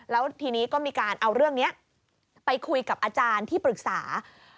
แล้วทีนี้ก็มีการเอาเรื่องนี้ไปคุยกับอาจารย์ที่ปรึกษา